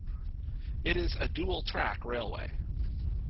It is a dual-track railway.